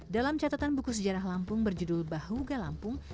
dalam catatan buku sejarah lampung berjudul bahuga lampung